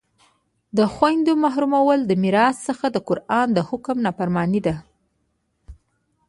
د خویندو محرومول د میراث څخه د قرآن د حکم نافرماني ده